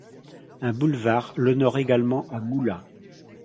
Un boulevard l'honore également à Moulins.